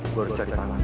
gue harus cari pak mas